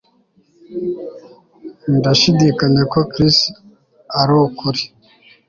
Ndashidikanya ko Chris arukuri